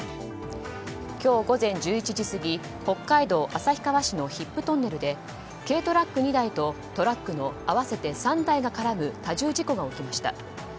今日午前１１時過ぎ北海道旭川市の比布トンネルで軽トラック２台とトラックの合わせて３台が絡む多重事故が起きました。